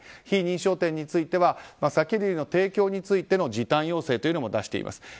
非認証店については酒類の提供の時短要請も出しています。